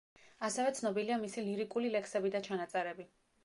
ასევე ცნობილია მისი ლირიკული ლექსები და ჩანაწერები.